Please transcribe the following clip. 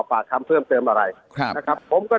แล้วเค้ายังไม่ได้ไปจอดบาปความเติมอะไร